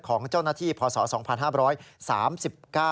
ของเจ้าหน้าที่พศ๒๕๓๙